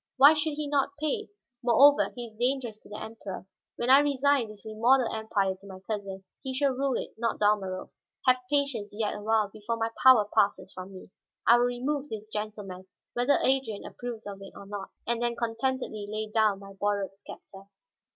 "Why should he not pay? Moreover, he is dangerous to the Emperor. When I resign this remodeled empire to my cousin, he shall rule it, not Dalmorov. Have patience yet a while. Before my power passes from me, I will remove this gentleman, whether Adrian approves of it or not; and then contentedly lay down my borrowed scepter."